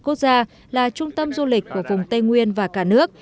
quốc gia là trung tâm du lịch của vùng tây nguyên và cả nước